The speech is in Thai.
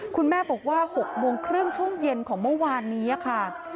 คุณแม่บอกว่า๖โมงครึ่งช่วงเย็นของเมื่อวานนี้ค่ะ